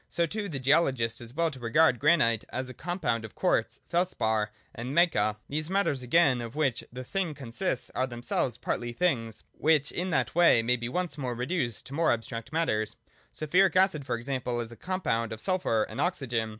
So too the geologist does well to regard granite as a compound of quartz, felspar, and mica. These matters, again, of which the thing consists, are 126, 127 ] MATTER. 235 themselves partly things, which in that way may be once more reduced to more abstract matters. Sulphuric acid, for example, is a compound of sulphur and oxygen.